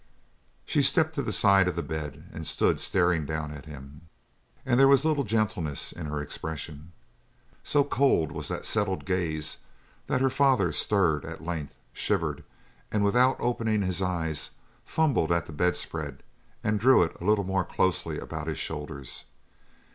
She stepped to the side of the bed and stood staring down at him, and there was little gentleness in her expression. So cold was that settled gaze that her father stirred, at length, shivered, and without opening his eyes, fumbled at the bed spread and drew it a little more closely about his shoulders.